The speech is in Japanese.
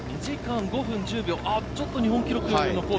２時間５分１０秒、ちょっと日本記録よりは。